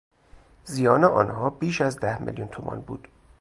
زیان آنها بیش از ده میلیون تومان بود.